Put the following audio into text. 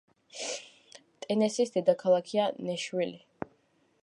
ტენესის დედაქალაქია ნეშვილი.